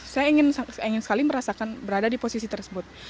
saya ingin sekali merasakan berada di posisi tersebut